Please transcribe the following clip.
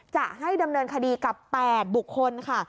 จะให้ดำเนินคดีกับ๘บุคคลค่ะ